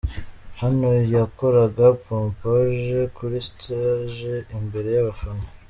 Hano yakoraga pompaje kuri stage imbere y'abafana.